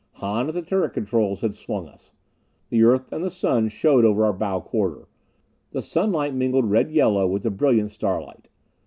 Hahn at the turret controls had swung us. The earth and the sun showed over our bow quarter. The sunlight mingled red yellow with the brilliant starlight.